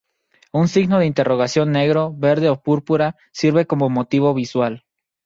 Un signo de interrogación negro, verde o púrpura sirve como motivo visual.